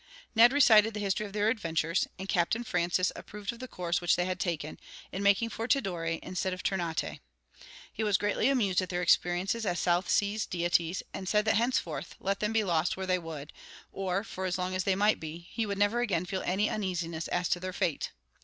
Ned recited the history of their adventures, and Captain Francis approved of the course which they had taken, in making for Tidore instead of Ternate. He was greatly amused at their experiences as South Sea deities, and said that henceforth, let them be lost where they would, or for as long as they might be, he would never again feel any uneasiness as to their fate.